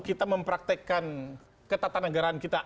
kita mempraktekkan ketatanegaraan kita